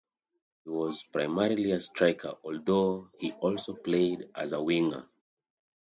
He was primarily a striker although he also played as a winger.